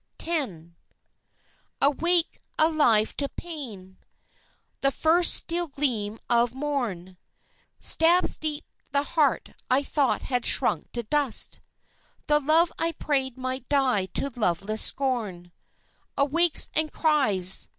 X. Awake, alive to pain! The first steel gleam of morn Stabs deep the heart I thought had shrunk to dust, The love I prayed might die to loveless scorn Awakes and cries